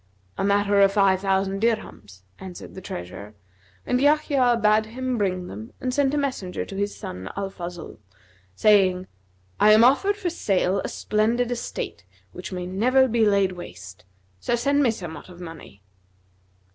'A matter of five thousand dirhams,' answered the treasurer, and Yahya bade him bring them and sent a messenger to his son, Al Fazl, saying, 'I am offered for sale a splendid estate which may never be laid waste; so send me somewhat of money.'